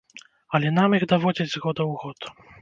А нам іх даводзяць з года ў год.